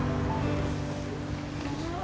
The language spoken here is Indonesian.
mungkin dia bakal lebih ilfil boy